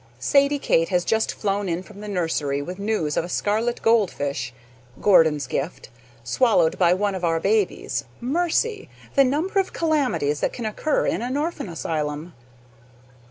Sadie Kate has just flown in from the nursery with news of a scarlet goldfish (Gordon's gift) swallowed by one of our babies. Mercy! the number of calamities that can occur in an orphan asylum!